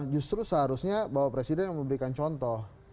justru seharusnya bapak presiden memberikan contoh